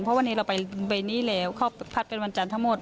เพราะวันนี้เราไปใบนี้แล้วเขาพัดเป็นวันจันทร์ทั้งหมด